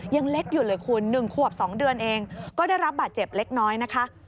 ยังเล็กอยู่เลยคุณ๑ขวบ๒เดือนเองก็ได้รับบาดเจ็บเล็กน้อยนะคะ